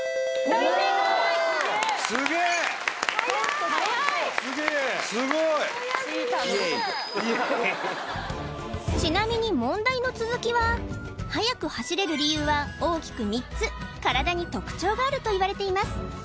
イエイちなみに速く走れる理由は大きく３つ体に特徴があるといわれています